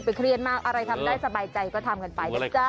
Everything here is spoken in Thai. อะไรทำได้สบายใจก็ทำกันไปดีจ๊ะ